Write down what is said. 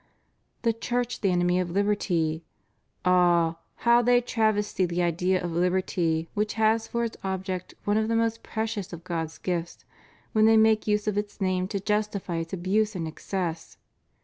The Church the enemy of liberty ! Ah, how they travesty the idea of liberty which has for its object one of the most precious of God's gifts when they make use of its name to justify its abuse and excess!